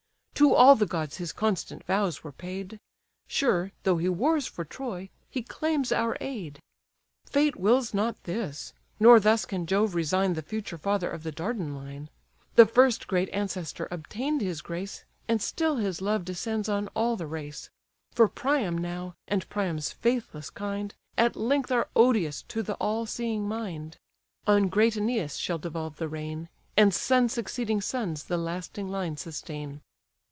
To all the gods his constant vows were paid; Sure, though he wars for Troy, he claims our aid. Fate wills not this; nor thus can Jove resign The future father of the Dardan line: The first great ancestor obtain'd his grace, And still his love descends on all the race: For Priam now, and Priam's faithless kind, At length are odious to the all seeing mind; On great Æneas shall devolve the reign, And sons succeeding sons the lasting line sustain."